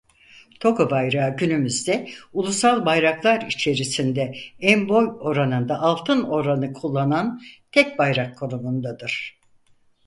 Togo bayrağı günümüzde ulusal bayraklar içerisinde en-boy oranında Altın oranı kullanan tek bayrak konumundadır.